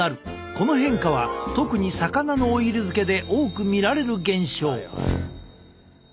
この変化は特に魚のオイル漬けで多く見られる現象。